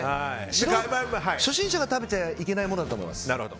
初心者が食べちゃいけないものだと思います。